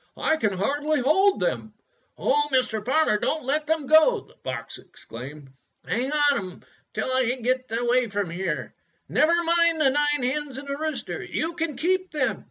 I can hardly hold them." "Oh, Mr. Farmer, don't let them go!" the fox exclaimed. "Hang on to them till I get away from here. Never mind the nine hens and the rooster. You can keep them."